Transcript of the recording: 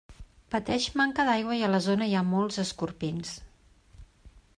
Pateix manca d'aigua i a la zona hi ha molts escorpins.